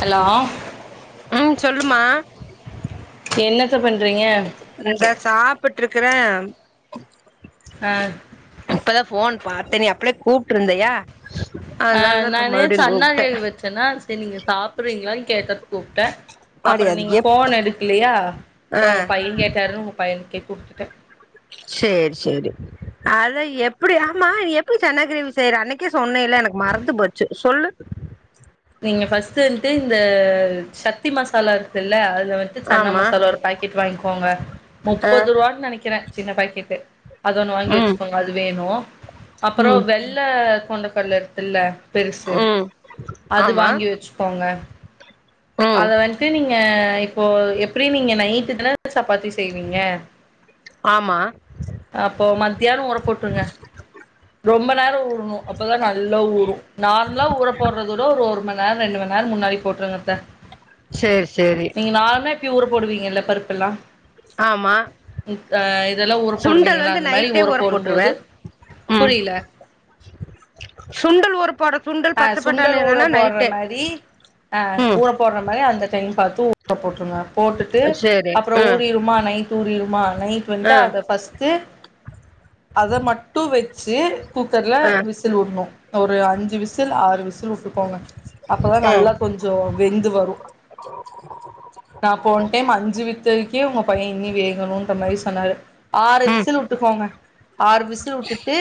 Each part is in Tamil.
ஹலோ ம் சொல்லுமா என்னத் [unintelligible] இந்த சாப்புட் ட்ருக்குறே ஆ இப்பதா ஃபோன் பாத்தனி அப்ளே கூப்ட்ருந்தயா அ அதனாலதா இப்ப நானு மறுபடியு சன்னா கூப்ட்டே கேவி வச்சன்னா செர் நீங்க சாப்புறீங்ளாயி கேக்கற் கூப்ட்ட அடி அப்புற அது நீங்க எப் ஃபோன் எடுக்லியா ஆ அப்றோ உங்க பையன் கேட்டாரு உங்க பையன்கே குடுத்துட்ட செரி செரி அதா எப்புடி ஆமா எப்புடி சன்னாகிரேவி செய்ற அன்னைக்கே சொன்னே இல்ல எனக்கு மறந்து போச்சு சொல்லு நீங்க ஃபர்ஸ்ட்டு வந்ட்டு இந்த சக் த்தி மசாலா இருக்துல்ல அதுல வந்ட்டு சன்னா ஆமா மசாலா ஒரு பாக்கெட் வாங்கிக்கோங்க ஆ முப்பது ரூவான்னு நெனைக்கிறே சின்ன பேக்கெட்டு அதொன்னு வாங்கி ம் வெச்சுக்கோங்க அது வேணு அப்புறோ ம் வெள்ள கொண்டக்கட்ல இருக்குல்ல பெருசு ம் அது ஆமா வாங்கி வெச்சுக்கோங்க ம் அத வந்ட்டு நீங்க இப்போ எப் ப்ரீ நீங்க நைட்டு தன சப்பாத்தி செய்வீங்க ஆமா அப்போ மத்தியானோ ஊற போட்ருங்க ரொம்ப வேரூ ருன்னூ அப்பதா நல்லா ஊறூ நார்மலா ஊற போட்றது விட ஒரு ஒர் மண் நேர் ரெண்டு மண்நேரோ முன்னாடி போட்ருங்கத்த சேரி சேரி நீங்க நாலுமே இப்டி உறப் போடுவீங்கல்ல பருப்புல்லா ஆமா இதெல்லா ஊற சுண்டல் போடுவீங்கல்ல வந்து அந்த மாரி நைட்டே ஊற போட்ருவே போடும்போது ம் புரில சுண்டல் ஊறப்போடத் அ சுண்டல் ஊற போட்ற மாரி ஆ ம் ஊற போட்ற மாரி அந்த டைம் பாத்து ஊ ற போட்ருங்க போட்டுட்டு சேரி அப்புறோ ஆ ஊறிருமா நை தூரிருமா நைட்டு வந்ட்டு ஆ அத ஃபர்ஸ்ட்டு அத மட்டூ வெச் சேரு குக்கர்ல ஆ விசில் உட்ணு ஒரு அஞ்சு விசி விசில் ஆறு விசில் உட்டுக்கோங்க அப்பதா ஆ நல்லா கொஞ்சோ வெந்து வரூ நா போன டைம் அஞ்சு வித்ததுக்கே உங்க பையன் இனி வேகணுன் ந்த மாரி சொன்னாரு ஆறு ம் விசில் உட்டுக்கோங்க ஆறு விசில் உட்டுட்டு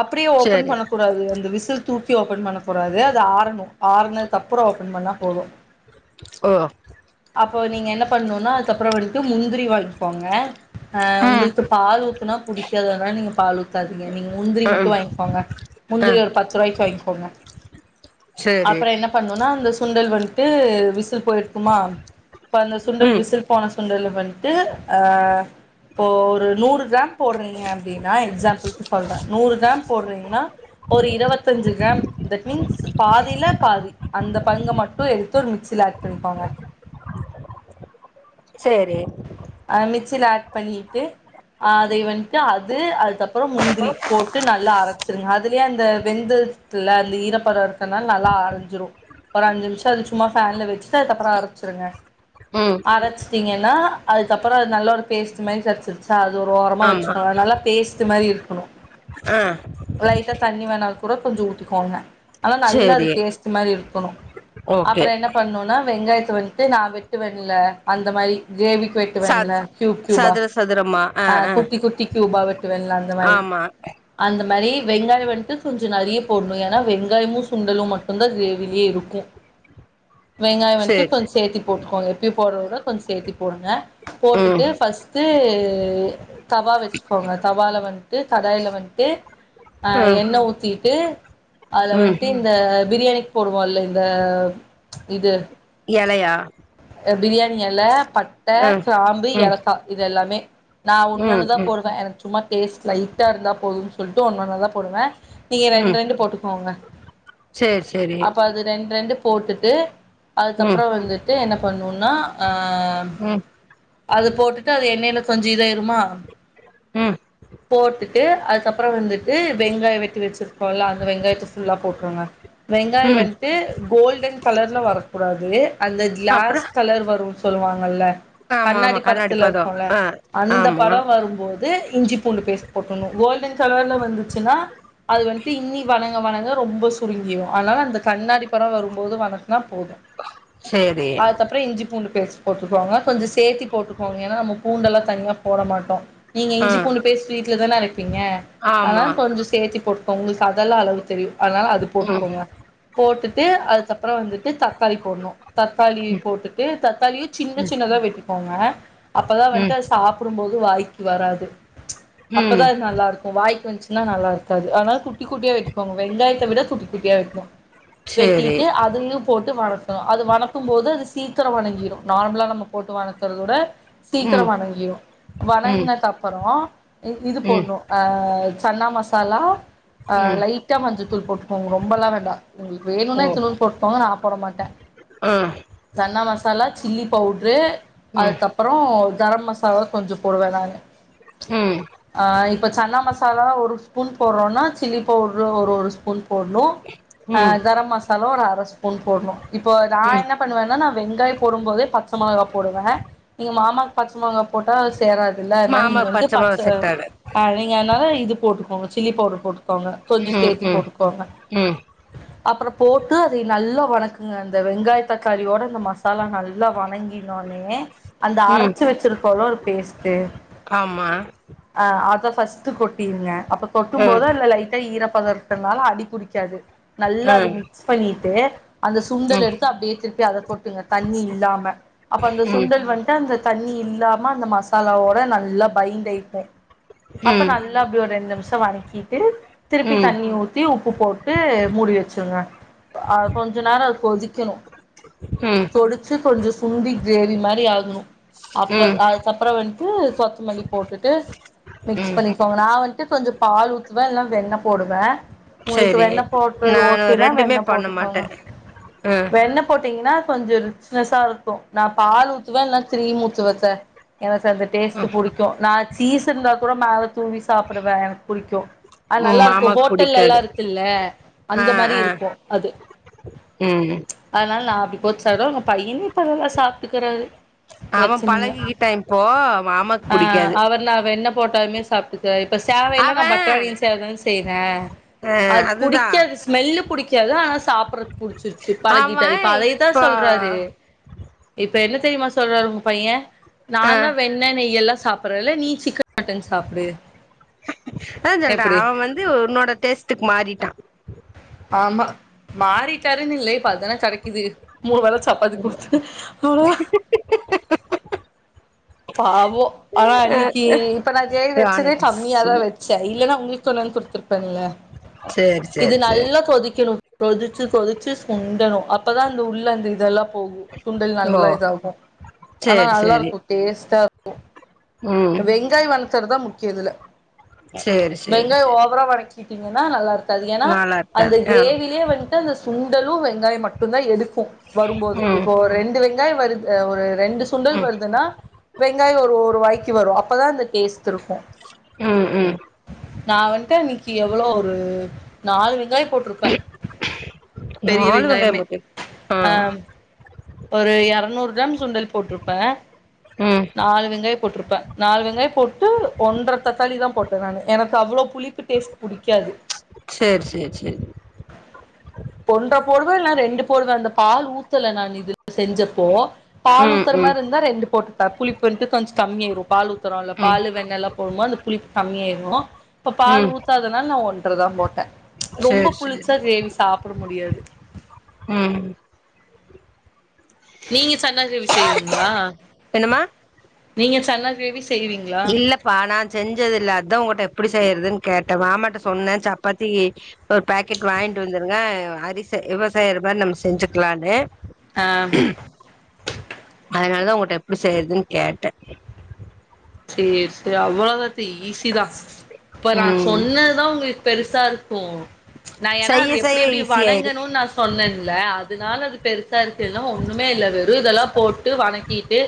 அப்புடியே ஓபன் சேரி பண்ணக்கூடாது அந்த விசில் தூக்கி ஓப்பன் பண்ணனு கூடாது அது ஆறணு ஆறனதுக்கப்புறோ ஓப்பன் பண்ணா போதூ ஓ அப் இப்போ நீங்க என்ன பண்ணனும்னா அதுக்கப்புறோ வன்ட்டு முன் முந்திரி வாங்கிக்கோங்க ஆ ம் உங்களுக்கு பால் ஊத்துனா புடிக்காது அதனால நீங்க பால் ஊத்தாதீங்க நீங்க முந்திரி மட்டு ம் வாங்கிக்கோங்க ஆ முந்திரி ஒரு பத்து ரூவாய்க்கு வாங்கிக்கோங்க சேரி அப்றோ என்ன பண்ணும்னா அந்த சுண்டல் வன்ட்டு விசி ல் போயிருக்குமா இப்ப அந்த சுண்டல் ம் விசில் போன சுண்டல வன்ட்டு அ இப்போ ஒரு நூறு கிராம் போடுறீங்க அப்டின்னா எக்ஸாம்பில்கு சொல்றே நூறு கிராம் போடுறீங்கன்னா ஒரு இருவத்தஞ்சி கிராம் மின்ஸ் பாதில பாதி அந்த பங்க மட்டு எடுத்து ஒரு மிக்ஸில ஆட் பண்ணிக்கோங்க சேரி சீல ஆட் பண்ணிட்டு அதை வன்ட்டு அது அதுக்கப்புறோ முந்திரி போட்டு நல்லா அரைச்சிருங்க அதுலயே அந்த வெந்துட்துல்ல அந்த ஈரப்பதோ இருக்கனால நல்லா அரைஞ்சிரும் ஒரு அஞ்சு நிமிஷம் அது சும்மா ஃபேன்ல வெச்சுட்டு அதுக்கப்புறோ அரைச்சிருங்க ம் அரச்சிட்டீங்கன்னா அதுக்கப்பறோ அது நல்ல ஒரு பேஸ்ட் மாரி கெடச்சிருச்சா அத ஒரு ஓரமா ஆமா வெச்சுக்கங்க நல்லா பேஸ்ட் மாரி இருக் ஹலோ ஆ கூட கொஞ்சோ ஊத்திக்கோங்க ஆனா நல்லா அது சேரி பேஸ்ட்டு மாரி இருக்கணு ஓகே அப்புறோ என்ன பண்ணுன்னா வெங்காயத்த வந்துட்டு நா வெட்டுவேன்ல அந்த மாரி கிரேவிக் வெட்டு வென்ல சத் கியூப் கியூபா ஆ குட்டி குட்டி கியூபாவே வெட்டுவேன்ல அந்த மாரி ஆமா அந்த மாரி வெங்காயம் வன்ட்டு கொஞ்சோ நறைய போடணு ஏன்னா வெங்காயமு சுண்டலும் மட்டும்தா கிரேவிலயே இருக்கும் வெங்காயோ வன்ட்டு சேரி கொஞ்சோ சேத்தி போட்டுக்கோங்க எப்பயு போட்றத விட கொஞ்சோ சேத்தி போடுங்க ம் போட்டுட்டு ஃபர்ஸ்ட்டு இது தவா வெச்சுக்கோங்க தவால வன்ட்டு கடாயில வன்ட்டு ஆ ம் எண்ண ஊத்தி ட்டு அதுல ம் வன்ட்டு இந்த பிரியாணிக்கு போடுவோல்ல இந்த இது எலையா பிரியாணி எல பட்ட ம் கிராம்பு ம் ஏலக்கா இது எல்லாமே நா ஒன்னொன்னு ம் தா ம் போடுவே எனக்கு சும்மா கேஸ் லைட்டா இருந்தால் போதுன்னு சொல்லிட்டு ஒன்னு ஒன்னாதா போடுவேன் நீங்க ரெண்டு ரெண்டு போட்டுக்கோங்க சேர் செரி அப்ப அது ரெண்டு ரெண்டு போட்டுட்டு அதுக்கப்புறம் வந்து என்ன பண்ணுன்னா அ அம் ம் அது போட்டுட்டு அது எண்ணெய்யில கொஞ்சம் இதாயிறுமா ம் போட்டுட்டு அதுக்கப்பறம் வந்துட்டு வெங்காயம் வெட்டி வச்சிருக்கோல்ல அந்த வெங்காயத்த ஃபுல்லா போட்டுருங்க வெங்காயம் ம் வன்ட்டு கோல்டன் கலர்ல வரக்கூடாது அந்த கிளாஸ் அப்றோ கலர் வருன்னு சொல்லுவாங்கல்ல ஆமா ஆமா கண்ணாடி படத்துல பதோ இருக்குல்ல ஆ அந்த ஆமா படோ வரும்போது ந்து இஞ்சி பூண்டு பேஸ்ட் போட்டணு கோல்டன் கலர்ல வந்துச்சுன்னா அது வந்து இன்னி வணங்க வணங்க ரொம்ப சுருங்கிரு அனால அந்த கண்ணாடி பர வரும்போது வனக்னா போது சேரி அதுகப்ற இஞ்சி பூண்டு பேஸ்ட் போட்டுகோங்க கொஞ்ச சேத்தி போட்டுகோங்க ஏன்னா நம்ம பூண்டல்லா தனியா போட மாட்டோ நீங்க ஆ இஞ்சிபோனு பேஸ் வீட் [unintelligible] பிங்க அதா ஆமா கொஞ்ச சேத்தி போட்டுக் கொஞ்ச சதல்லா அளவு தெரியு அதனால அது ம் போட்டுக்கோங்க போட்டுட்டு அதுக்கப்ற வந்துட்டு தக்காளி போடணு தக்காளி ம் போட்டுட்டு தக்காளியு சின்ன ம் சின்னதா வெட்டிக்கோங்க அப்பதா வந்து ம் அது சாப்புடும் போது வாய்க்கி வராது அப்பதா ம் அது நல்லாருக்கு வாய்க்கி வஞ்ச்சினா நல்லாருக்காது அதனால குட்டி குட்டியா வெட்டுக்கோங்க வெங்காயத்த விட குட்டி குட்டியா வெட்ணு சேரி வெட்டிட்டு அதுலியு போட்டு வணக்லா அது வனக் க்கும் போது அது சீக்கர வணங்கிரு நார்மலா நம்ம போட்டு வணத்குறதோட சீக்கிர ம் வணங்கிரு ம் வணங்னக்கப்பறோ இது ம் போட்னு அஹ் சன்னா மசாலா ஆஹ் ம் லைட்டா மஞ்சத்தூள் போட்டுக்கோங்க ரொம்பல்லா வேண்டா உங்ளுக்கு வேணுன்னா ஓ இத்துனூன் போட்டுக்கோங்க நா போட மாட்ட ஆ சன்னா மசாலா சில்லி பவுட்ரு ம் அதுக்கப்பறோ கரம் மசாலா கொஞ்சம் போடுவ நானு ம் ஆஹ் இப்ப சன்னா மசாலா ஒரு ஸ்பூன் போடுறோன்னா சில்லி பவுட்ரு ஒரு ஒரு ஸ்பூன் போட்னு ம் ஆஹ் கரம் மசாலா ஒரு அர ஸ்பூன் போட்ணு இப்போ நா ம் என்னப் பண்ணுவேன்ன நா வெங்காயப் போடும் போதே பச்சை மொளகா போடுவ நீங்க மாமாக்கு பச்ச மொளகா போட்டா சேராது ல மாமா நீங்க வந்து பச்ச மொளகா செட்டாரு நீங்க அதனால இது போட்டுக்கோங்க சில்லி பவுட்ரு போட்டுக்கோங்க கொஞ்ச ம் சேத்தி ம் போட்டுக்கோங்க ம் அப்புற போட்டு அதை நல்லா வணக்குங்க அந்த வெங்காய தக்காளியோட இந்த மசாலா நல்லா வணங்கினோனே அந்த ம் அரச்சி வச்சிருக்கோல ஒரு பேஸ்ட்டு ஆமா ஆஹ் அத ஃபஸ்ட்டு கொட்டிருங்க அப்ப கொட்டும் ம் போது அதுல லைட்டா ஈர பதோ இருக்கனால அடி புடிக்காது நல்லா அது ம் மிக்ஸ் பண்ணி [unintelligible] அந்த ம் சுண்டலெடுத்து அப்டியே திருப்பி அத கொட்டுங்க தண்ணி இல்லாம அப்ப அந்த ம் சுண்டல் வந்ட்டு அந்த தண்ணி இல்லாம அந்த மசாலாவோட நல்லா பைண்ட் ஆயிக்கு அப்ப ம் நல்லா அப்டி ஒரு ரெண்டு நிம்ச வணக்கீட்டு திருப்பி ம் தண்ணி ஊத்தி உப்பு போட்டு மூடி வச்சுருங்க அ கொஞ்ச நேர அது கொதிக்கணு ம் தொடிச்சு கொஞ்ச சுன்டி கிரேவி மாரி ஆகுணு அப்ப ம் அதுக்கப்ற வந்து கொத்மல்லி போட்டுட்டு மிக்ஸ் ம் பண்ணிக்கோங்க நா வந்துட்டு கொஞ்ச பால் ஊத்துவ இல்ல வெண்ண போடுவ உங்களுக்கு சேரி வெண்ண போட்றது நானு ஓகேனா ரெண்டுமே வெண்ண பண்ண போட்டுக்கோங்க மாட்டே ஆ வெண்ண போட்டீங்கனா கொஞ்ச ரிச்சனஸா இருக்கு நா பால் ஊத்துவ இல்லனா க்ரீம் ஊத்துவே எனக்கு அந்த டேஸ்ட்டு புடிக்கு நா சீஸிருந்தா கூட மேல தூவி சாப்புடுவ எனக்கு புடிக்கு அது ம் நல்லாருக்கு மாமாக்கு ஹோட்டெல்ல எல்லா புடிக்காது இருக்குல்ல ஆ அந்த மாரி ஆ இருக்கு அது ம் அதனால நா அப்டி போட்சாப்டுவ உங்க பையனு இப்ப அதல்லா சாப்டுக்கறாறு அவன் பழகிகிட்டா இப்போ மாமாக் ஆ புடிக்காது அவர் நா என்ன போட்டாலுமே சாப்டுக் அவன் [unintelligible] [unintelligible] [unintelligible] [unintelligible] ஆ அது புடிக்காது ஸ்மெல்லு புடிக்கு எல்லாம் சாப்பிடறது குடிச்சிருச்சு பழகி சரி அவன் இப்ப அதைத்தான் இப்போ சொல்றாரு இப்ப என்ன தெரியுமா சொல்றாரு உங்க பையன் ஆ நான் தான் வெண்ணெ நீ எல்லாம் சாப்பற்றல நீ சிக்கன் மட்டன் சாப்புடு அதா சொல்ற அவ வந்து உன்னோட டேஸ்ட்டுக்கு மாறிட்டா ஆமா மாறிட்டாருன் இல்ல இப்ப அதான கடைக்கிது மூண வேள சப்பத்தி குடுத்து அவள பாவோ ஆனா இன்னிக்கி இப்ப நா கிரேவி வச்சத ராணிக்கு சூ கம்மியாதா வச்ச இல்லனா உங்ளுக் சொன்னாலு குடுத்துருப்பேன்ல சேரி இது சேரி சேரி நல்ல கொதிக்கணு கொதிச்சு கொதிச்சு சுண்டணு அப்பதா அந்த உள்ள அந்த இதல்லா போகு சுண்டல் ஓ நல்லா இத ஆகு ஆனா சேரி சேரி நல்லாருக்கு டேஸ்டா ம் கு வெங்காய் வண்ண சேறு தா முக்கிய இதுல சேரி சேரி வெங்காய சேரி ஓவரா வணக்கி கிங்கனா நல்லாருக் தது ஏனா நாளா அந்த இருக்காது ஆ கிரேவிலயே வந்ன்டு அந்த சுண்டலும் வெங்காயம் மட்டும்தான் எடுக்கு வரும்போது ம் இப்போ ரெண்டு வெங் காய வருத் ஒரு ரெண்டு சுண்டல் ம் வருதுனா வெங்காயோ ஒரு ஒரு வாய்க்கு வரு அப்பதா அந்த டேஸ்ட்டிருக்கு ம் ம் நா வந்ட்டு அன்னிக்கி எவ்வளோ ஒரு நால் வெங்காய போட்ருப்பே பெரிய நாலு வெங்காயம் வெங்காயமே போட்டி ஆ ஒரு எரநூறு கிராம் சுண்டல் போட்ருப்பே ம் நாலு வெங்காய போட்ருப்பே நாலு வெங்காய போட்டு ஒன்ற தத்தாளி தா போட்டே நானு எனக்கு அவ்ளோ புளிப்பு டேஸ் புடிக்காது சேர் சேர் சேர் ஒன்ற போடுவே இல்னா ரெண்டு போடுவே அந்த பால் ஊத்தல நான் இது செஞ்சப்போ பால் ம் ஊத்துற ம் மாரிந்தா ரெண்டு போட்டு ட்ட புளிப்புன்ட்டு கொஞ்ச் கம்மியாயிரு பால் ஊத்துறோல்ல ம் பாலு வெண்ணெல்லா போடும்போ அந்த புளிப்பு கம்மியாயிரு இப்ப பால் ம் ஊத்தாதுனால் நா ஒன்றதாம் போட்டே ரொம்ப சேரி புளிச்சா சேரி கிரேவி சாப்புட முடியா [unintelligible] ம் நீங்க சன்னா கிரேவி செய்வீங்ளா என்னம்மா நீங்க சன்னா கிரேவிஸ் இல்லப்பா நா செஞ்சது இல்ல அத்தா உங்கட்ட ப்புடி செய்றதுன் கேட்டே மாமாட்ட சொன்னே சப்பாத்திகி ஒரு பேக்கெட் வாய்ன்ட்டு வந்துருங்க அரிச இவ செய்ற மார் நம் செஞ்சுக்லானு அ அதனாலதா உங்கட்ட எப்டு செய்றதுன் கேட்டே சேர் சேரி அவ்வளகத்தி ஈசிதா ப்ப நா ம் சொன்னதுதா உங்குளு பெருசாருக்கு நா ஏனா செய்ய அது எப்டி செய்ய எப்டி ஈஸியாயிரு. வணங்கணுன் நா சொன்னன் ல்ல அதுனால அது பெருசா இருக்கு இல்னா ஒண்ணுமே இல்ல வெறு இதெல்லா போட்டு வணக்கிட்டு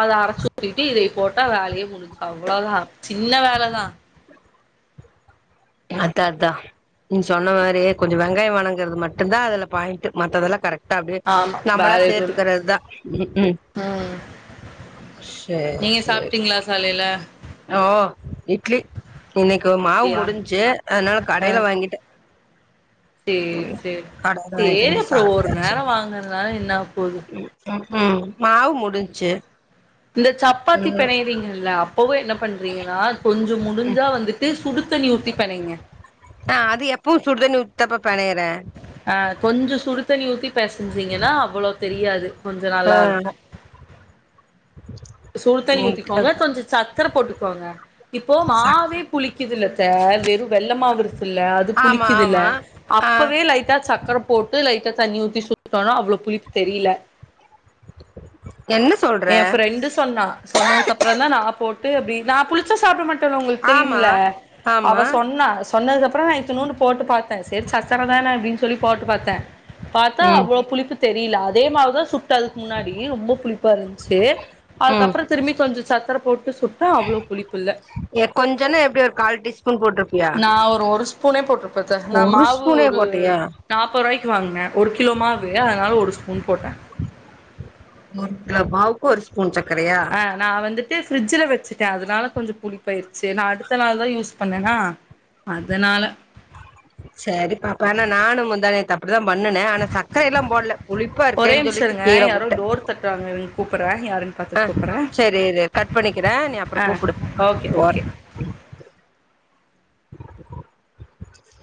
அத அரச்சு ஊத்திட்டு இதய போட்டா வேலயே முடிஞ் அவ்ளதா சின்ன வேலதா அத்தா அத்தா நீங் சொன்ன மாரி கொஞ்ச வெங்காய வணங்கறது மட்டுந்தா அதுல பாயிண்ட்டு மத்ததெலா கர ட்டா அப்டே ஆமா நம்மளா வேற எதுவு சேத்துக்கறது தா ம்ஹு ம் சேர் நீங்க சேர் சாப்ட்டீங்களா காலையில ஓ இட்லி இன்னிக்கு மாவு இட்லியா முடிஞ்சு அதனால கடைல வாங்கிட்டே சேர் ம் சேரி கடையில வாங்கிட்டு சேரி வந்து அப்புறொ ஒரு சாப்ட்டாச்சு நேரொ வாங்கனதுனால என்னாவபோது டிஞ்சு இந்த சப்பாத்தி பெணையரிங்கில்ல அ ப்போவே என்ன பண்றீங்கனா கொஞ்சு முடிஞ்சா வந்துட்டு சுடு தண்ணி ஊத்தி பெணைங்க அ அது எப்புவு சுடுதண்ணி ஊ தப்பப் ஆ கொஞ்ச சுடுதண்ணி ஊத்தி பெசஞ்சிங்கனா அவ்வளோ தெரியாது கொஞ்ச ஆ நல்லா இருக்கு சுடுதண்ணி ம் ஊத்திகோங்க கொஞ்ச சக்கர போட்டுகோங்க இப்போ சா மாவே புளிக்குதுல த்த வெறு வெள்ள மாவு இருக்குல்ல அது ஆமா புளிக்குதுல ஆமா ஆ அப்பவே லைட்டா சக்கர போட்டு லைட்டா தண்ணி ஊத்தி சுட்டோனா அவ்ளோ புளிப்பு தெரில என்ன சொல்ற எ ஃப்ரெண்டு சொன்னா சொன்னதுக்கப்றந்தா நா போட்டு அப்டி நா புளிச்சா சாப்ட மட்டேல்ல உங்களுக்கு ஆமா தெரியும்ல அவ ஆமா சொன்னா சொன்னதுக்கப்றோ நா இத்துனூன்டு போட்டு பாத்தே சேரி சக்கர தான அப்டினு சொல்லி போட்டு பாத்தே பாத்தா ம் அவ்வளோ புளிப்பு தெரில அதே மாவுதா சுட்ட அதுக்கு முன்னாடி ரொம்ப புளிப்பா இருந்ச்சு ம் அதுக்கப்றோ திரும்பி கொஞ்சோ சக் கர போட் டு சுட்டா அவ்ளோ புளிப்பு இல்ல எ கொஞ்சன்னா எப்டி ஒரு கால் டீஸ்பூன் போட்ருப்பியா நா ஒரு ஒரு ஸ்பூனே போட்ருப்ப த்த நா ஒரு மாவு ஸ்பூனே ஒரு போட்டியா நாப்பது ருவாய்க் வாங்னே ஒரு கிலோமாவு அதனால ஒரு ஸ்பூ ஒரு கிலோ மாவு ஒரு ஸ்பூன் சக் ஆ நா வந்து ட்டு ஃப்ரிட்ஜ்ல வச்சுட்ட அதனால கொஞ்சோ புளிப்பாயிருச்சு நா அடுத்த நாள் தா யூஸ் பண்ணேனா அதனால சரி பாப்பா ஆனா நானு முந்தா நேத்து அப்புடி தா பண்ணுனே ஆனா சக்கரை எல்லா போடல புளிப்பா ஒரே இருக்கேன் நிமிஷோ சொல்லிட்டு இருங்க கீழ யாரோ போட்டே டோர் தட்டுறாங்க இருங்க கூப்புட்றே யாருன்னு அ பாத்துட்டு கூப்புட்றே சரி இரு கட் பண்ணிக்கிற நீ அப்றோ ஆ கூப்புடு ஓகே போற ஓகே [inaudible]